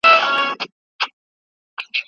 بشري قوانین باید اصلاح سي.